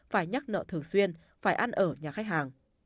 phải nhắc nợ thường xuyên phải ăn ở nhà khách hàng